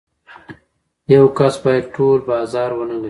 یو کس باید ټول بازار ونلري.